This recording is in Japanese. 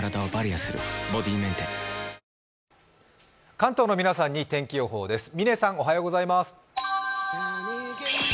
関東の皆さんに天気予報です。